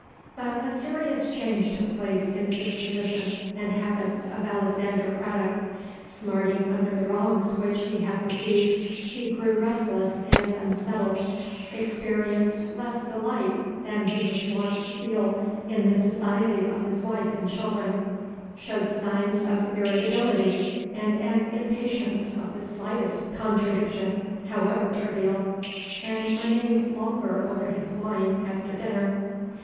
"But a serious change took place in the disposition and habits of Alexander Craddock. Smarting under the wrongs which he had received, he grew restless and unsettled—experienced less delight than he was wont to feel in the society of his wife and children—showed signs of irritability, and an impatience of the slightest contradiction, however trivial—and remained longer over his wine after dinner.